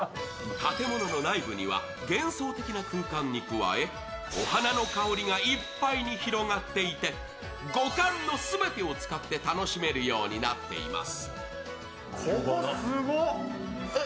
建物の内部には幻想的な空間に加えお花の香りがいっぱいに広がっていて、五感の全てを使って楽しめるようになっています。